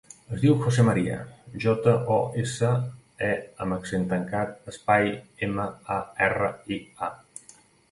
Es diu José maria: jota, o, essa, e amb accent tancat, espai, ema, a, erra, i, a.